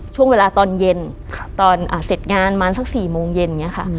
ช่วงเวลาตอนเย็นตอนเสร็จงานประมาณสัก๔โมงเย็นอย่างนี้ค่ะ